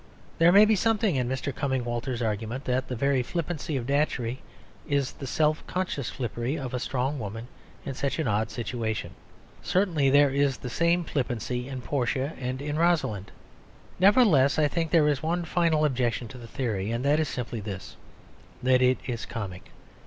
There may be something in Mr. Cumming Walters's argument that the very flippancy of Datchery is the self conscious flippancy of a strong woman in such an odd situation; certainly there is the same flippancy in Portia and in Rosalind. Nevertheless, I think, there is one final objection to the theory; and that is simply this, that it is comic.